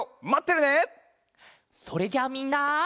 それじゃあみんな。